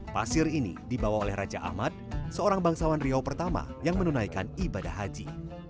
pasir ini dibawa oleh raja ahmad seorang bangsawan riau pertama yang menunaikan ibadah haji